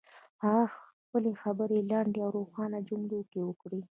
هغه خپلې خبرې په لنډو او روښانه جملو کې وکړې.